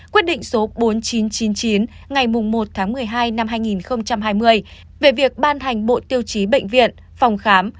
quyết định số bốn nghìn chín trăm chín mươi chín ngày một tháng một mươi hai năm hai nghìn hai mươi về việc ban hành bộ tiêu chí bệnh viện phòng khám